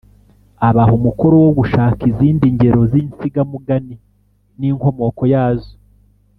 abaha umukoro wo gushaka izindi ngero z’insigamugani n’inkomoko yazo,